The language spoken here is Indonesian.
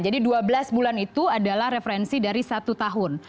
jadi dua belas bulan itu adalah referensi dari satu tahun